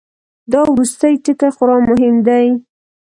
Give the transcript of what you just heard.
دا وروستی ټکی خورا مهم دی.